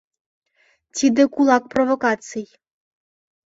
Тиде кулак провокаций.